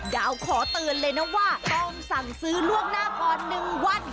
ดาวขอเตือนเลยนะว่าต้องสั่งซื้อล่วงหน้าก่อน๑วัน